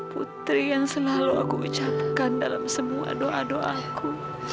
putri yang selalu aku ucapkan dalam semua doa doaku